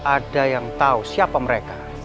ada yang tahu siapa mereka